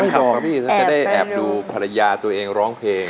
งั้นแอบไปดูแอพดูภรรยาตัวเองร้องเพลง